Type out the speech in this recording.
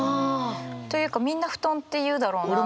というかみんな布団って言うだろうなって。